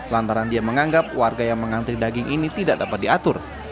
lantaran dia menganggap warga yang mengantri daging ini tidak dapat diatur